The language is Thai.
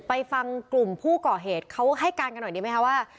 ไปฟังกลุ่มผู้ก่อเหตุเขาให้การกันหน่อยดีไหมคะว่า